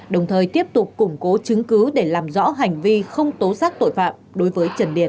đồng thời tiếp tục củng cố chứng cứ để làm rõ hành vi không tố xác tội phạm đối với trần liền